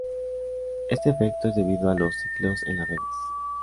Este efecto es debido a los ciclos en las redes.